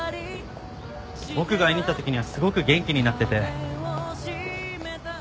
僕が会いに行った時にはすごく元気になってて。